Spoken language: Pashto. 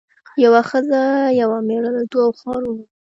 یوه ښځه یو مېړه له دوو ښارونو